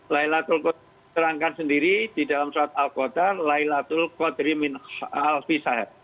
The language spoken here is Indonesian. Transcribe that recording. laylatul qadar saya terangkan sendiri di dalam suat al qadar laylatul qadri min al fisahir